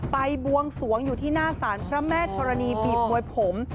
บวงสวงอยู่ที่หน้าสารพระแม่ธรณีบีบมวยผม